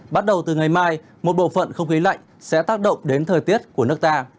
bắt đầu từ ngày mai một bộ phận không khí lạnh sẽ tác động đến thời tiết của nước ta